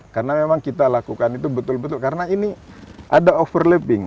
karena memang kita lakukan itu betul betul karena ini ada overlapping